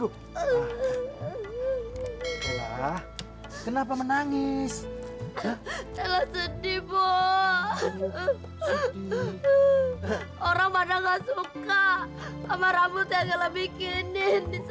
kenapa menangis sedih bu orang pada nggak suka sama rambut yang lebih kini